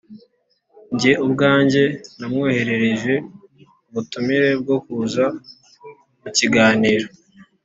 njye ubwanjye namwoherereje ubutumire bwo kuza mu kiganiro